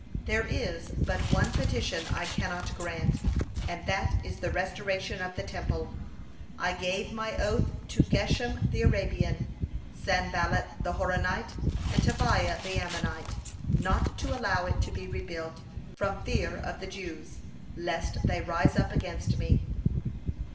There is but one petition I cannot grant, and that is the restoration of the Temple. I gave my oath to Geshem the Arabian, Sanballat the Horonite, and Tobiah the Ammonite, not to allow it to be rebuilt, from fear of the Jews, lest they rise up against me."